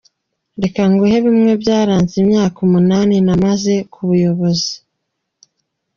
Reka nguhe bimwe mu byaranze imyaka umunani namaze ku buyobozi.